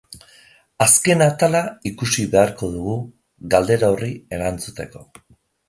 Azken atala ikusi beharko dugu, galdera horri erantzuteko.